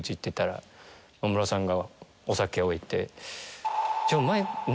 ムロさんがお酒置いて。